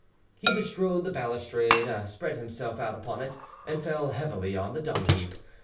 He bestrode the balustrade, spread himself out upon it, and fell heavily on the dungheap.